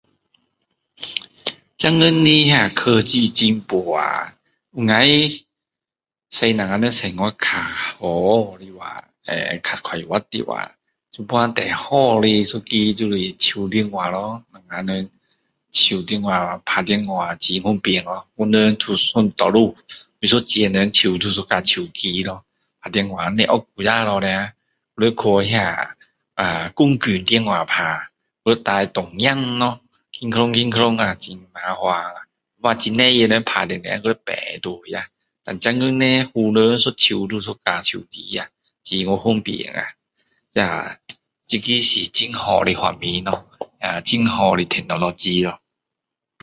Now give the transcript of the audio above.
现在的那科技进步啊，能够,用我们的生活[unclear］ 会较快活的话，现在最好的一个就是手电话咯。咱家人，手电话打电话很方便咯。所有多数每一个人手都有一架手机咯，打电话。不像古早咯啊，还要去[ahh]公共电话打，还要带铜子咯 很麻烦。若很多人打时还要排队啊。现在呢, 湖人一手都有一架手机啊，很方便啊。[ahh] 这个是很好的发明咯。很好的technology.